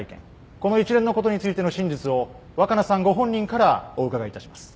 この一連のことについての真実を若菜さんご本人からお伺いいたします。